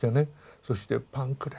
そして「パンくれ！